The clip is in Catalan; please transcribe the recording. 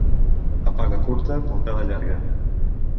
A paga curta, puntada llarga.